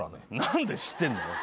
何で知ってんだよ！